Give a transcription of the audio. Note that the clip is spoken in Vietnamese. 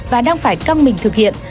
và đang phải căng mình thực hiện